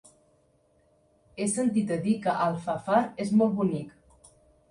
He sentit a dir que Alfafar és molt bonic.